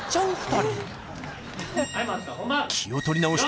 ２人